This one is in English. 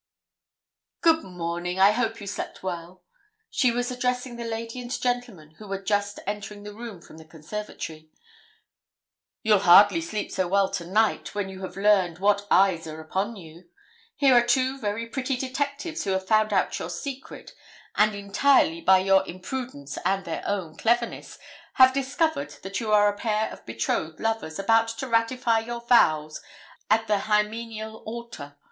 'Good morning. I hope you slept well.' She was addressing the lady and gentleman who were just entering the room from the conservatory. 'You'll hardly sleep so well to night, when you have learned what eyes are upon you. Here are two very pretty detectives who have found out your secret, and entirely by your imprudence and their own cleverness have discovered that you are a pair of betrothed lovers, about to ratify your vows at the hymeneal altar.